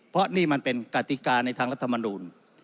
เพราะนี่มันเป็นกติกาในทางรัฐมนูล